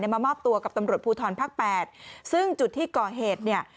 มามอบตัวกับตำรวจภูทรภาคแปดซึ่งจุดที่ก่อเหตุเนี่ย